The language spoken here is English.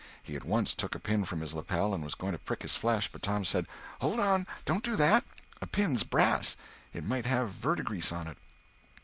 He at once took a pin from his lapel and was going to prick his flesh, but Tom said: "Hold on! Don't do that. A pin's brass. It might have verdigrease on it."